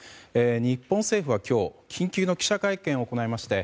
日本政府は今日緊急の記者会見を行いまして